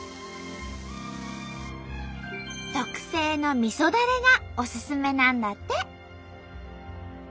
特製のみそだれがおすすめなんだって！